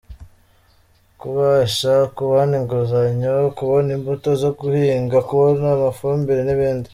Kubasha kubona inguzanyo, kubona imbuto zo guhinga, kubona amafumbire n’ibindi.